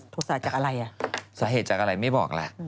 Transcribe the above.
โทษะจากอะไรอ่ะสาเหตุจากอะไรไม่บอกล่ะ